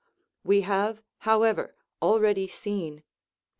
We have, however, already seen (p.